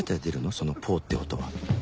その「ポ」って音は